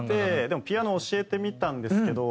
でもピアノ教えてみたんですけど